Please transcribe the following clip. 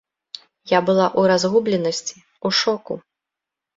Я была ў разгубленасці, ў шоку.